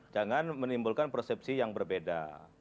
jangan menimbulkan persepsi yang berbeda